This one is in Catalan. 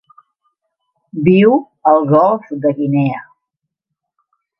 Viu al Golf de Guinea.